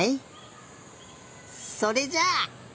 それじゃあ！